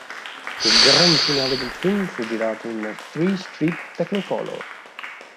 Il gran finale del film fu girato in Three-strip Technicolor.